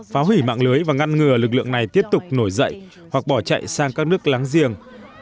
phá hủy mạng lưới và ngăn ngừa lực lượng này tiếp tục nổi dậy hoặc bỏ chạy sang các nước láng giềng